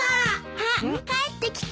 あっ帰ってきた！